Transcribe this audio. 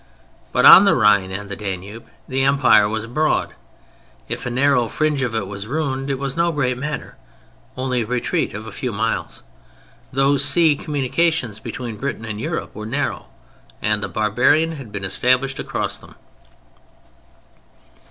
But on the Rhine and the Danube the Empire was broad. If a narrow fringe of it was ruined it was no great matter: only a retreat of a few miles. Those sea communications between Britain and Europe were narrow—and the barbarian had been established across them.